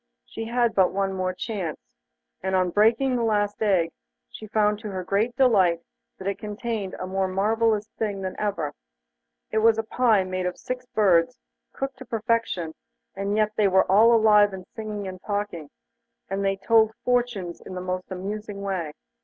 She had but one more chance, and on breaking the last egg she found to her great delight that it contained a more marvellous thing than ever. It was a pie made of six birds, cooked to perfection, and yet they were all alive, and singing and talking, and they answered questions and told fortunes in the most amusing way.